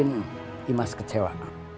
jangan bikin imas kecewa